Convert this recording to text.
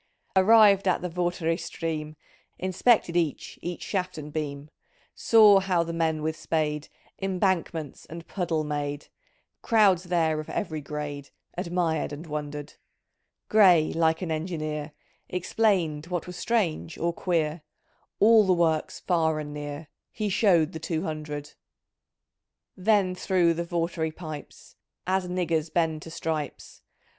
"Arrived at the Vartry stream. Inspected each each shaft and beam ; Saw how the men with spade Embankments and puddle made ; Crowds there of every grade Admired and wondered. Gray, like an engineer — Explained what was strange or queer ; All the works, far and near, He showed the two hundred. "Then through the Vartry pipes As niggers bend to stripes.